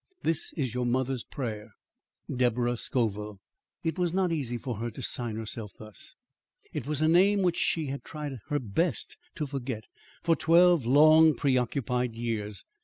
This is your mother's prayer. DEBORAH SCOVILLE. It was not easy for her to sign herself thus. It was a name which she had tried her best to forget for twelve long, preoccupied years.